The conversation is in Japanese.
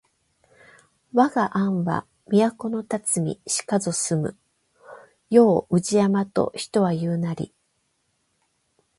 わが庵は都のたつみしかぞ住む世を宇治山と人は言ふなり